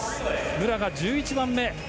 武良が１１番目。